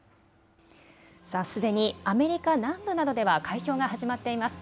すでにアメリカ南部などでは開票が始まっています。